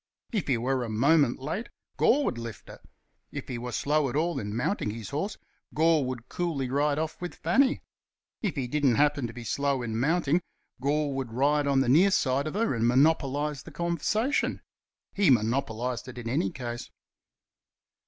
If he were a moment late, Gore would lift her. If he were slow at all in mounting his horse, Gore would coolly ride off with Fanny. If he didn't happen to be slow in mounting, Gore would ride on the near side of her and monopolize the conversation. He monopolized it in any case.